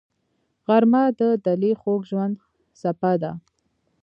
غرمه د دلي خوږ ژوند څپه ده